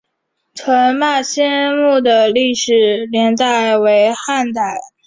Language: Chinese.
陈霸先墓的历史年代为汉代。